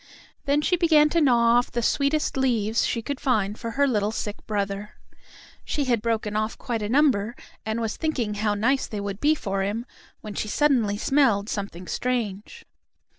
Then she began to gnaw off the sweetest leaves she could find for her little sick brother. She had broken off quite a number and was thinking how nice they would be for him, when she suddenly smelled something strange.